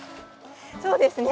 そうですね。